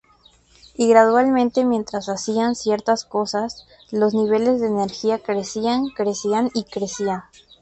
Y gradualmente mientras hacía ciertas cosas, los niveles de energía crecían crecían y crecían.